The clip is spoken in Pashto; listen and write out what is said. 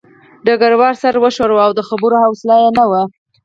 ډګروال سر وښوراوه او د خبرو حوصله یې نه وه